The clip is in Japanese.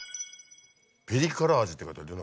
ピリ辛味って書いてあるよ